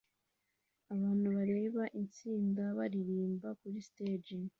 Abantu bareba itsinda baririmbira kuri stage